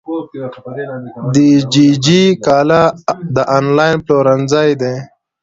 دیجیجی کالا د انلاین پلورنځی دی.